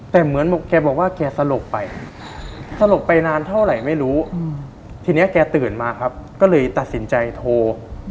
แต่เหมือนแกบอกว่าแกสลบไปสลบไปนานเท่าไหร่ไม่รู้ทีนี้แกตื่นมาครับก็เลยตัดสินใจโทร